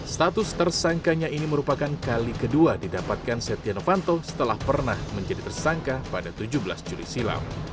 status tersangkanya ini merupakan kali kedua didapatkan setia novanto setelah pernah menjadi tersangka pada tujuh belas juli silam